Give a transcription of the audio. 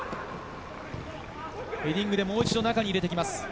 ヘディングでもう一度中に入れてきます。